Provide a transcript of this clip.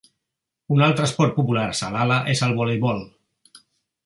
Un altre esport popular a Salalah és el voleibol.